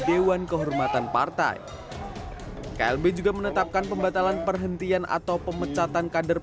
dewan kehormatan partai klb juga menetapkan pembatalan perhentian atau pemecatan kader